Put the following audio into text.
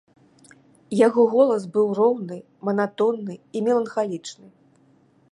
Яго голас быў роўны, манатонны і меланхалічны.